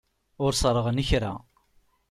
Ur ṣerɣen kra.